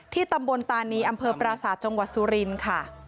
ตำบลตานีอำเภอปราศาสตร์จังหวัดสุรินทร์ค่ะ